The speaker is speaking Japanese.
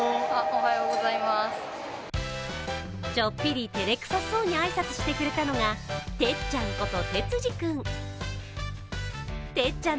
ちょっぴりてれくさそうに挨拶したくれたのが、てっちゃんこと哲司くん。